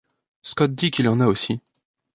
Scott dit qu'il en a aussi.